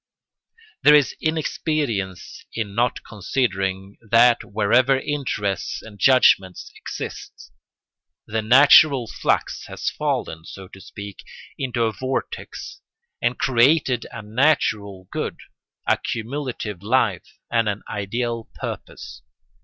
There is inexperience in not considering that wherever interests and judgments exist, the natural flux has fallen, so to speak, into a vortex, and created a natural good, a cumulative life, and an ideal purpose.